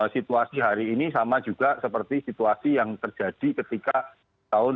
situasi hari ini sama juga seperti situasi yang terjadi ketika tahun dua ribu